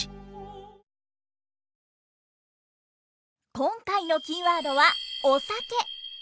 今回のキーワードはお酒！